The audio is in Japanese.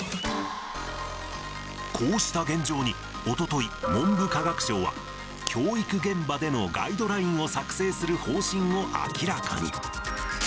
こうした現状に、おととい、文部科学省は、教育現場でのガイドラインを作成する方針を明らかに。